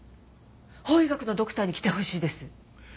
法医学のドクターに来てほしいです。